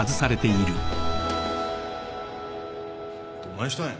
どないしたんや？